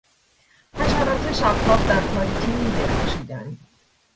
حشرات شبتاب در تاریکی میدرخشیدند.